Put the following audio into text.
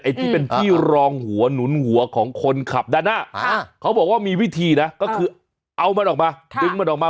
ที่เป็นที่รองหัวหนุนหัวของคนขับด้านหน้าเขาบอกว่ามีวิธีนะก็คือเอามันออกมาดึงมันออกมา